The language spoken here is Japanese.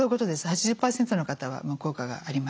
８０％の方は効果がありますね。